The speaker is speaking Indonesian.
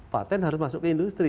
patent harus masuk ke industri